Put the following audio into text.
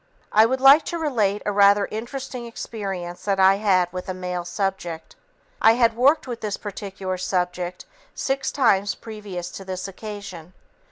I would like to relate a rather interesting experience that I had with a male subject. I had worked with this particular subject six times previous to this occasion.